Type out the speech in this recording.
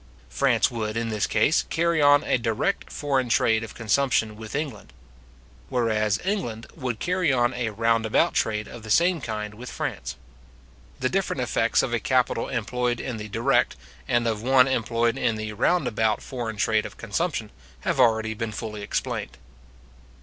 France would, in this case, carry on a direct foreign trade of consumption with England; whereas England would carry on a round about trade of the same kind with France. The different effects of a capital employed in the direct, and of one employed in the round about foreign trade of consumption, have already been fully explained.